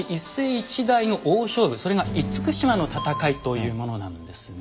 一代の大勝負それが「厳島の戦い」というものなんですね。